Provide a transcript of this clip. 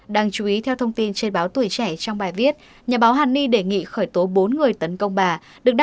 đáng chú ý theo thông tin trên báo tuổi trẻ trong bài viết nhà báo hàn ni đề nghị khởi tố bốn người tấn công bà